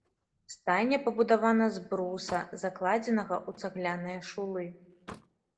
Стайня пабудавана з бруса, закладзенага ў цагляныя шулы.